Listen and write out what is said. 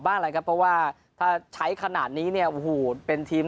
เลยครับเพราะว่าถ้าใช้ขนาดนี้เนี่ยโอ้โหเป็นทีม